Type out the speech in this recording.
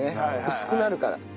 薄くなるから。